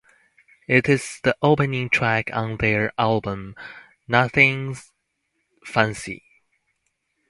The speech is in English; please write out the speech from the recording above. It is the opening track on their album "Nuthin' Fancy".